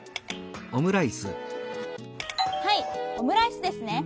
「はい『オムライス』ですね」。